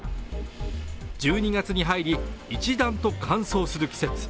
１２月に入り、一段と乾燥する季節。